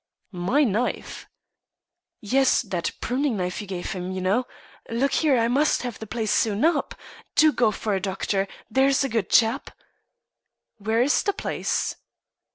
"My knife?" "Yes that pruning knife you gave him, you know. Look here I must have the place sewn up. Do go for a doctor, there's a good chap." "Where is the place?"